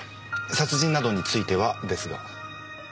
殺人などについてはですが。